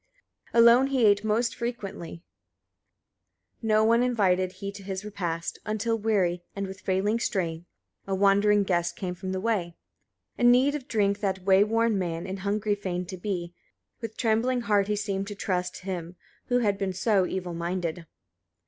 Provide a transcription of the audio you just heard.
2. Alone he ate most frequently, no one invited he to his repast; until weary, and with failing strength, a wandering guest came from the way. 3. In need of drink that way worn man, and hungry feigned to be: with trembling heart he seemed to trust him who had been so evil minded.